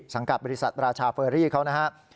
สังกัดบริษัทราชาเฟอรี่เขานะครับ